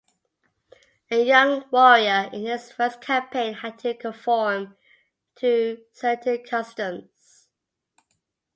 A young warrior in his first campaign had to conform to certain customs.